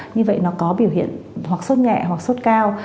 như vậy nó có biểu hiện hoặc sốt nhẹ hoặc sốt cao